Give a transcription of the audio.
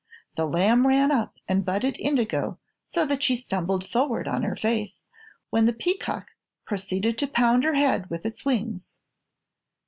The lamb ran up and butted Indigo so that she stumbled forward on her face, when the peacock proceeded to pound her head with his wings.